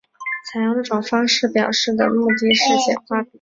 采用这种方式表示的目的是简化比较。